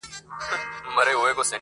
خیر حتمي کارونه مه پرېږده، کار باسه.